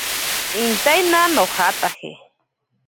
Intaina nojataje.